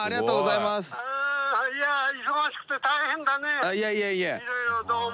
いろいろどうも。